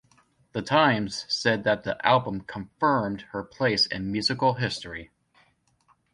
"The Times" said that the album "confirmed her place in musical history".